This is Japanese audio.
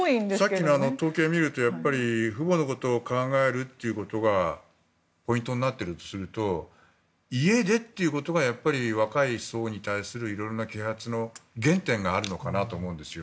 さっきの統計を見ると父母のことを考えるというのがポイントになってるとすると家でということがやっぱり若い層に対する啓発の原点があるのかなと思います。